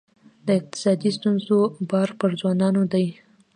د اقتصادي ستونزو بار پر ځوانانو دی.